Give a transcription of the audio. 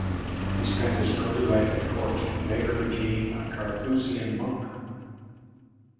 He spent his early life at court, and later became a Carthusian monk.